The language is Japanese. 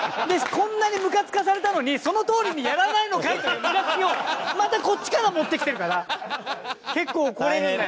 こんなにムカつかされたのにそのとおりにやらないのかい！というムカつきをまたこっちから持ってきてるから結構怒れるんだよね俺は。